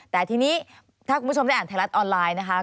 แต่ทีนี้ถ้าคุณผู้ชมได้อ่านไทยรัฐออนไลน์นะคะ